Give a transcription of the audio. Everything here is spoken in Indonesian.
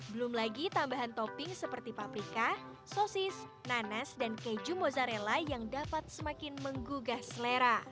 belum lagi tambahan topping seperti paprika sosis nanas dan keju mozzarella yang dapat semakin menggugah selera